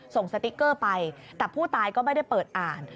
สติ๊กเกอร์ไปแต่ผู้ตายก็ไม่ได้เปิดอ่าน